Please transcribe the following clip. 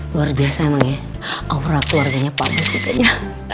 luar biasa emang ya aura keluarganya bagus kayaknya